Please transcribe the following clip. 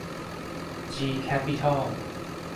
จี แคปปิตอล